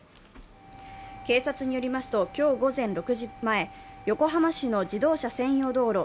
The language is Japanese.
警察によりますと、今日午前６時前、横浜市の自動車専用道路